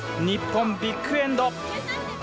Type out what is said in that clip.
日本、ビッグエンド。